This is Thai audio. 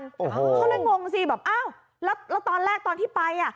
เขาเลยงงสิแบบอ้าวแล้วตอนแรกตอนที่ไปอ่ะ